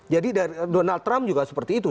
jadi dari donald trump juga seperti itu